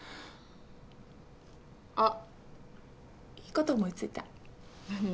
あっいいこと思いついた何？